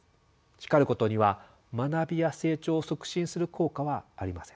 叱ることには学びや成長を促進する効果はありません。